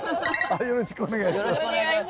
よろしくお願いします。